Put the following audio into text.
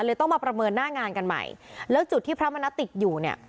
ต้องมาประเมินหน้างานกันใหม่แล้วจุดที่พระมณัฐติดอยู่เนี่ย